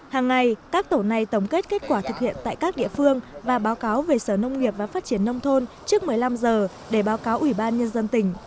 hàng ngày các tổ này tổng kết kết quả thực hiện tại các địa phương và báo cáo về sở nông nghiệp và phát triển nông thôn trước một mươi năm giờ để báo cáo ủy ban nhân dân tỉnh